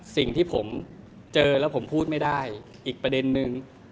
สิ่งที่ผมเจอแล้วผมพูดไม่ได้อีกประเด็นนึง